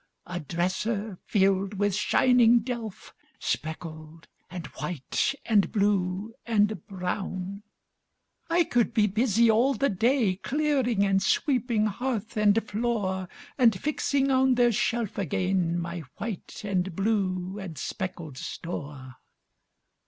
A dresser filled with shining delph, Speckled and white and blue and brown! I could be busy all the day Clearing and sweeping hearth and floor, And fixing on their shelf again My white and blue and speckled store!